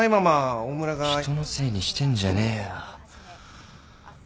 人のせいにしてんじゃねえよ。